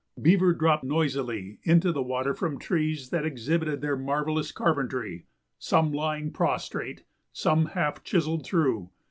Beaver dropped noisily into the water from trees that exhibited their marvellous carpentry, some lying prostrate, some half chiselled through.